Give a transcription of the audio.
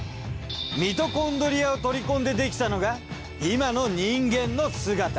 ミトコンドリアを取り込んでできたのが今の人間の姿。